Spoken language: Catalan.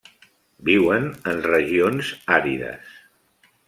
Viuen en regions àrides.